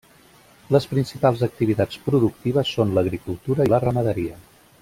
Les principals activitats productives són l'agricultura i la ramaderia.